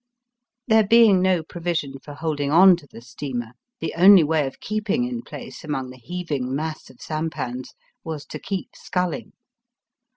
There being no provision for holding on to the steamer, the only way of keeping in place among the heaving mass of sampans was to keep sculling.